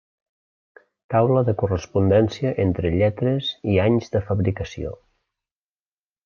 Taula de correspondència entre lletres i anys de fabricació.